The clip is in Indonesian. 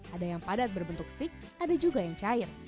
ada yang padat berbentuk stick ada juga yang cair